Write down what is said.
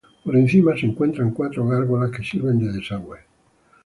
Por encima se encuentran cuatro gárgolas que sirven de desagües.